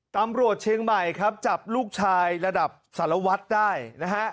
ตำรวจเชียงใหม่ครับจับลูกชายระดับสารวัตรได้นะฮะ